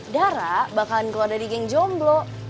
darah bakal keluar dari geng jomblo